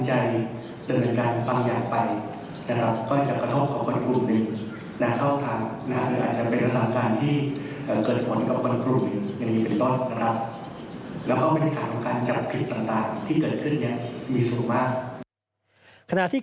ในบรรยากาศที่ขาดแยกเพียงครบแรงของสังคมไทยนี้